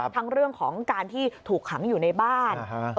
ทั้งเรื่องของการที่ถูกขังอยู่ในบ้าน